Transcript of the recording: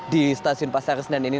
di stasiun pasar senen ini